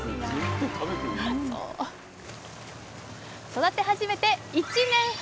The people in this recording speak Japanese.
育て始めて１年半。